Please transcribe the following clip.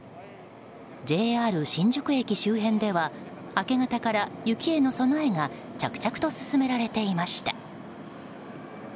ＪＲ新宿駅周辺では明け方から雪への備えが着々と進められていました。